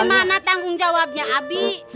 dimana tanggung jawabnya abik